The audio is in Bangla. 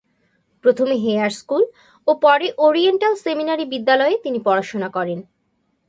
প্রথমে হেয়ার স্কুল ও পরে ওরিয়েন্টাল সেমিনারি বিদ্যালয়ে তিনি পড়াশোনা করেন।